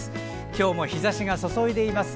今日も日ざしが注いでいます。